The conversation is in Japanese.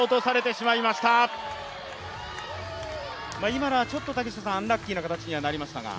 今のはアンラッキーな形にはなりましたが。